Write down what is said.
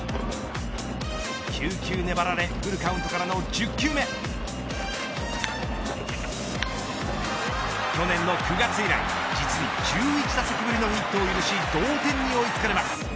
９球粘られフルカウントからの１０球目去年の９月以来実に１１打席ぶりのヒットを許し同点に追いつかれます。